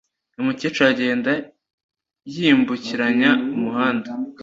Umukecuru agenda yambukiranya umuhanda